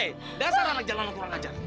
dasar anak jalanan kurang ajar